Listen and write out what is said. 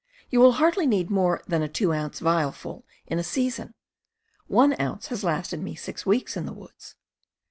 You will hardly need more than a 2 oz. vial full in a season. One ounce has lasted me six weeks in the woods.